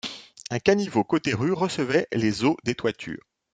Un caniveau côté rue recevait les eaux des toitures.